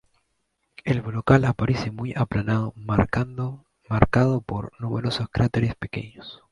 El brocal aparece muy aplanado, marcado por numerosos cráteres pequeños.